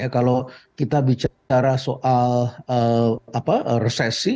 kalau kita bicara soal resesi